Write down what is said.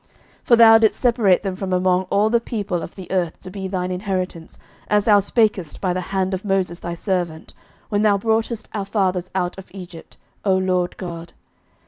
11:008:053 For thou didst separate them from among all the people of the earth, to be thine inheritance, as thou spakest by the hand of Moses thy servant, when thou broughtest our fathers out of Egypt, O LORD God.